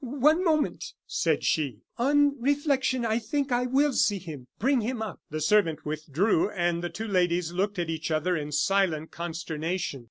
"One moment," said she; "on reflection I think I will see him. Bring him up." The servant withdrew, and the two ladies looked at each other in silent consternation.